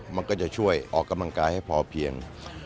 มันก็จะช่วยออกกำลังกายให้พอเพียง